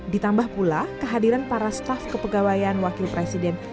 ditambah pula kehadiran para staf kepegawaian wakil presiden